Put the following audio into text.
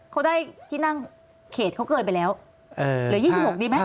เขาได้ที่นั่งเขตเขาเกินไปแล้วเหลือ๒๖ดีไหม